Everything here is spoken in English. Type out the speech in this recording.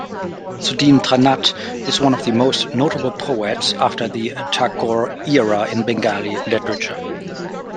Sudhindranath is one of the most notable poets after the Tagore-era in Bengali literature.